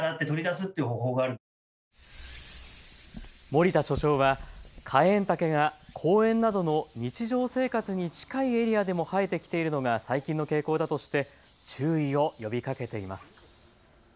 守田所長はカエンタケが公園などの日常生活に近いエリアでも生えてきているのが最近の傾向だとして注意を呼びかけています。